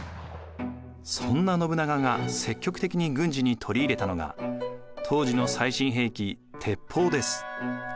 そんな信長が積極的に軍事に取り入れたのが当時の最新兵器鉄砲です。